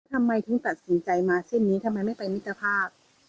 ทำไมถึงตัดสินใจมาเส้นนี้ทำไมไม่ไปมิตรภาพ